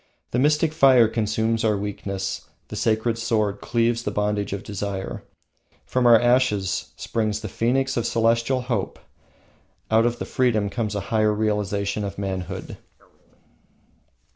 The mystic fire consumes our weakness, the sacred sword cleaves the bondage of desire. From our ashes springs the phoenix of celestial hope, out of the freedom comes a higher realisation of manhood.